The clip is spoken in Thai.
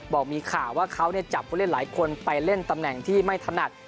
บอกมีข่าวว่าเขาจับผู้เล่นหลายคนไปเล่นตำแหน่งที่ไม่ถนัด